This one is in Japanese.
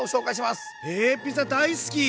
えピザ大好き！